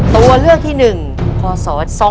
ตัวเลือกที่๑คอสอ๒๐๑๔